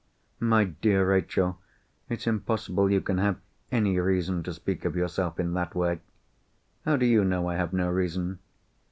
"My dear Rachel! it's impossible you can have any reason to speak of yourself in that way!" "How do you know I have no reason?"